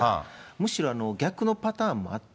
むしろ逆のパターンがあって、